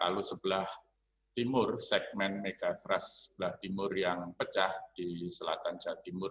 lalu sebelah timur segmen megafrast sebelah timur yang pecah di selatan jawa timur